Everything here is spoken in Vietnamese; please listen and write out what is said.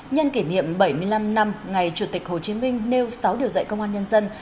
nhân kỷ niệm bảy mươi năm năm ngày chủ tịch hồ chí minh nêu sáu điều dạy công an nhân dân